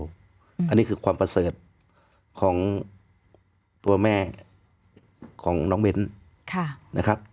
อันนี้คือความประเสริฐของตัวแม่ของน้องเบ้นนะครับ